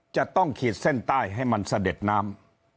ขีดเส้นใต้ให้มันเสด็จน้ำ